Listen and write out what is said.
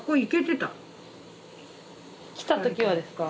来た時はですか？